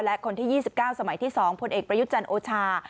และคนที่๒๙สมัยที่๒พลเอกประยุทธ์จันทร์โอชา